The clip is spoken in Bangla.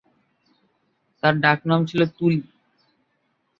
তার ডাকনাম ছিল তুলি।